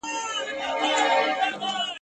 چي د شپې یې رنګارنګ خواړه خوړله ..